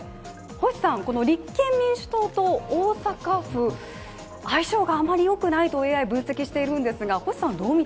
星さん、立憲民主党と大阪府相性があまりよくないとＡＩは分析しているんですが。